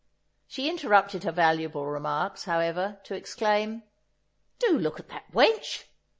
She interrupted her valuable remarks, however, to exclaim: "Do look at that wench!"